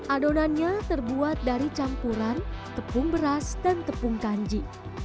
adonannya terbuat dari campuran tepung beras dan tepung kanji